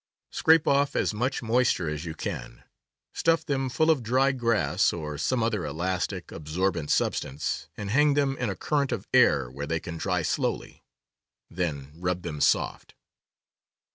Scrape off as much moisture as you can, stuff them full of dry grass or some other elastic, absorbent substance, and hang them in a current of air where they can dry slowly. Then rub them soft.